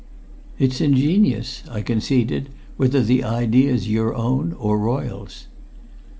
"It's ingenious," I conceded, "whether the idea's your own or Royle's."